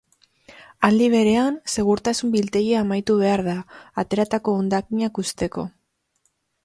Aldi berean, segurtasun-biltegia amaitu behar da, ateratako hondakinak uzteko.